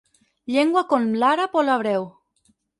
Llengua com l'àrab o l'hebreu.